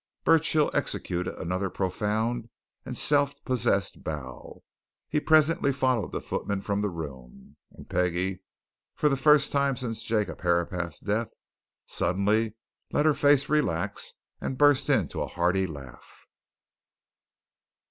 Burchill executed another profound and self possessed bow. He presently followed the footman from the room, and Peggie, for the first time since Jacob Herapath's death, suddenly let her face relax and burst into a hearty laugh.